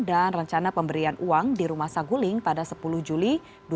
dan rencana pemberian uang di rumah saguling pada sepuluh juli dua ribu dua puluh dua